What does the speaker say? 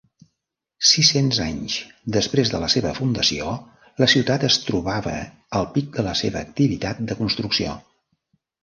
Sis-cents anys després de la seva fundació, la ciutat es trobava al pic de la seva activitat de construcció.